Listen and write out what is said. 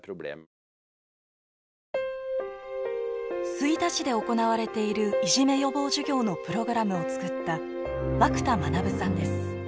吹田市で行われているいじめ予防授業のプログラムを作った和久田学さんです。